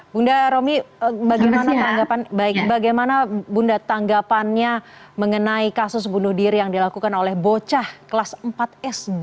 bunda romi bagaimana tanggapannya mengenai kasus bunuh diri yang dilakukan oleh bocah kelas empat sd